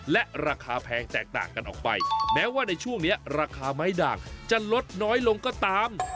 และราคาแพงแตกต่างกันออกไปแม้ว่าในช่วงนี้ราคาไม้ด่างจะลดน้อยลงก็ตาม